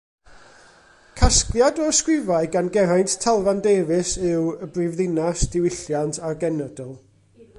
Casgliad o ysgrifau gan Geraint Talfan Davies yw Y Brifddinas, Diwylliant a'r Genedl.